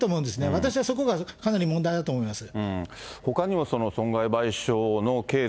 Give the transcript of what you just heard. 私はそこがかなり問題だと思います。